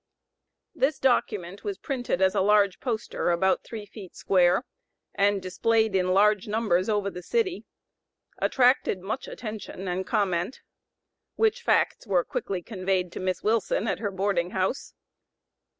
This document printed as a large poster, about three feet square, and displayed in large numbers over the city, attracted much attention and comment, which facts were quickly conveyed to Miss Wilson, at her boarding house.